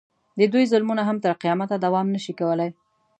د دوی ظلمونه هم تر قیامته دوام نه شي کولی.